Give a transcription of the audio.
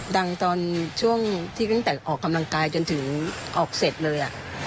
ตอนช่วงที่ตั้งแต่ออกกำลังกายจนถึงออกเสร็จเลย